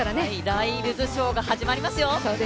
ライルズショーが始まりますよ。